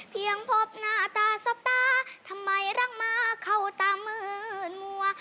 เพียงพบหน้าตาสบตาทำไมรักมาเข้าตามืนมัว